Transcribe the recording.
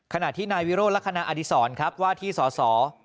ขณะที่นายวิโรธและคณะอดิษรว่าที่สส